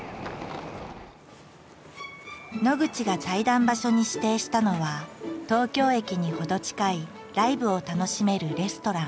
野口が対談場所に指定したのは東京駅に程近いライブを楽しめるレストラン。